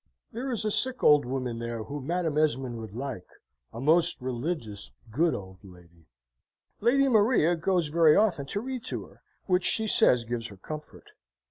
"There is a sick old woman there, whom Madam Esmond would like, a most raligious, good, old lady. "Lady Maria goes very often to read to her; which, she says, gives her comfort.